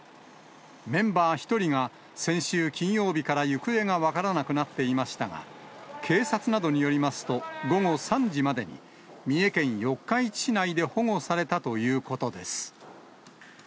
メンバー１人が先週金曜日から行方が分からなくなっていましたが、警察などによりますと、午後３時までに、三重県四日市市内で保護されたということです。